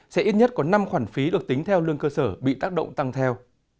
sẽ ít nhất có năm khoản phí được tính theo lương cơ sở bị tác động tăng theo